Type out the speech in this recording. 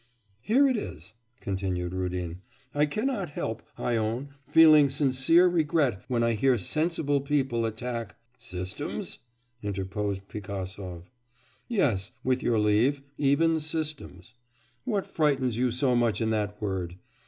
'Here it is,' continued Rudin. 'I cannot help, I own, feeling sincere regret when I hear sensible people attack ' 'Systems?' interposed Pigasov. 'Yes, with your leave, even systems. What frightens you so much in that word?